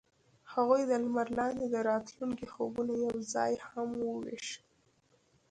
هغوی د لمر لاندې د راتلونکي خوبونه یوځای هم وویشل.